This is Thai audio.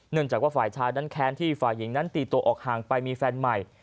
จากว่าฝ่ายชายนั้นแค้นที่ฝ่ายหญิงนั้นตีตัวออกห่างไปมีแฟนใหม่